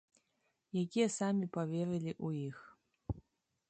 Якія самі паверылі ў іх.